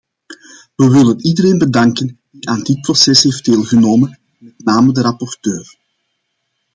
We willen iedereen bedanken die aan dit proces heeft deelgenomen, met name de rapporteur.